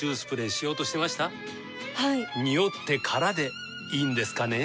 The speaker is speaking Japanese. ニオってからでいいんですかね？